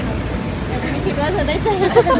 แต่มีคลิปว่าเธอได้เจอ